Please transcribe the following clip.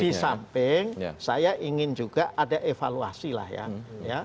di samping saya ingin juga ada evaluasi lah ya